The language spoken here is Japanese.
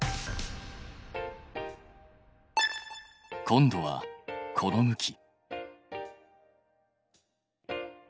今度はこの向き。